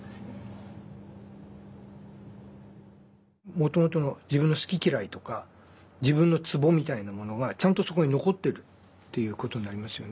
もともとの自分の好き嫌いとか自分のツボみたいなものがちゃんとそこに残ってるっていうことになりますよね。